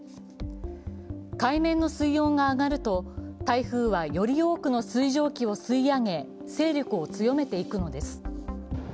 海面の水温が上がると、台風はより多くの水蒸気を吸い上げ、勢力を強めていくのです。